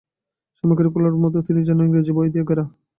শামুকের খোলার মতো তিনি যেন ইংরেজি বই দিয়া ঘেরা।